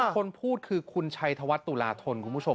คนพูดคือคุณชัยธวัฒนตุลาธนคุณผู้ชม